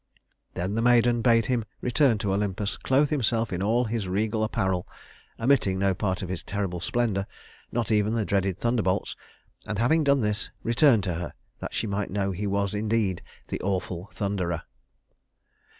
Then the maiden bade him return to Olympus, clothe himself in all his regal apparel omitting no part of his terrible splendor, not even the dreaded thunderbolts and having done this, return to her, that she might know he was indeed the awful Thunderer.